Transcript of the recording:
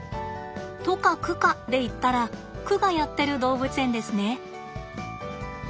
都か区かで言ったら区がやってる動物園ですね。